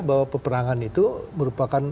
bahwa peperangan itu merupakan